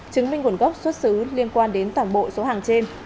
chứng minh nguồn gốc xuất xứ liên quan đến toàn bộ số hàng trên